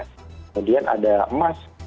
kemudian ada emas